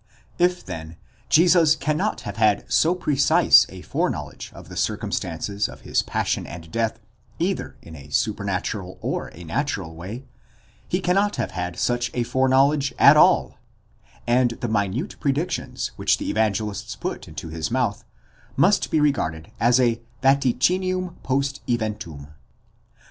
If then Jesus cannot have had so precise a foreknowledge of the circum stances of his passion and death, either in a supernatural or a natural way = he cannot have had such a foreknowledge at all: and the minute predictions which the Evangelists put into his mouth must be regarded as a vaticinium post eventum.